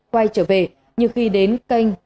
quay trở về nhưng khi đến kênh